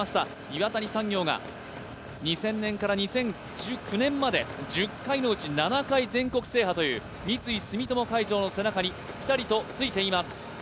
岩谷産業が２０００年から２００９年まで１０回のうち７回、全国制覇という三井住友海上の背中にぴたりとついています。